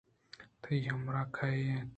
تئی ہمراہ کئے اِنت